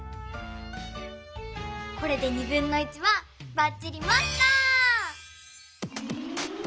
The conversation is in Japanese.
これではばっちりマスター！